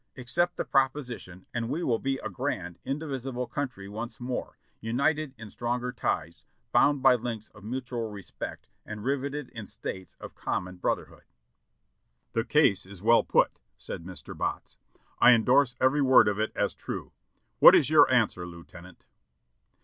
Ac cept the proposition and we will be a grand, indivisible country once more, united in stronger ties, bound by links of mutual re spect and riveted in States of common brotherhood." "The case is well put," said Mr. Botts; "I endorse every word of it as true. What is your answer. Lieutenant?"